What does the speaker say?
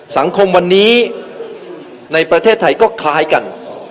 สังคมวันนี้ในประเทศไทยก็คล้ายกัน